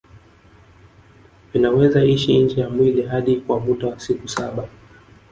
Vinaweza ishi nje ya mwili hadi kwa muda wa siku saba